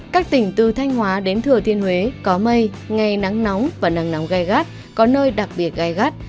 các tỉnh từ thanh hóa đến thừa thiên huế có mây ngày nắng nóng và nắng nóng gai gắt có nơi đặc biệt gai gắt